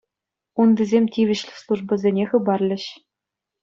Унтисем тивӗҫлӗ службӑсене хыпарлӗҫ.